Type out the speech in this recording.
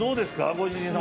ご主人様。